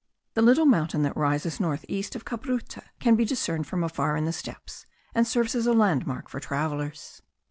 The little mountain that rises northeast of Cabruta can be discerned from afar in the steppes and serves as a landmark for travellers.